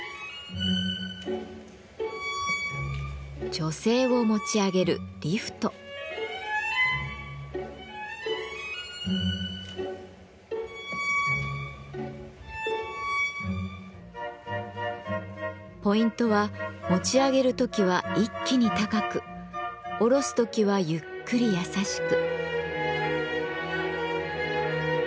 女性を持ち上げるポイントは持ち上げる時は一気に高く下ろす時はゆっくり優しく。